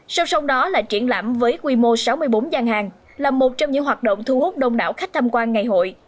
song song đó là triển lãm với quy mô sáu mươi bốn gian hàng là một trong những hoạt động thu hút đông đảo khách tham quan ngày hội